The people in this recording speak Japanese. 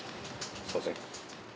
すみません。